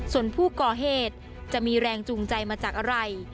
ส่วนผู้ก่อเหตุจะมีแรงจูงใจมาจากอะไร